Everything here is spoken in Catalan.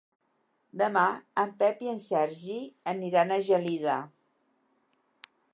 Demà en Pep i en Sergi aniran a Gelida.